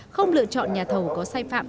không lựa chọn nhà thầu có sai phạm